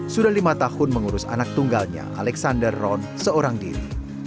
sudah lima tahun mengurus anak tunggalnya alexander ron seorang diri